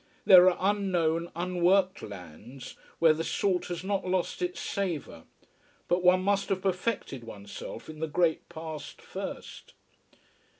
There are unknown, unworked lands where the salt has not lost its savour. But one must have perfected oneself in the great past first.